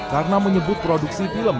karena menyebut produksi film yang berbeda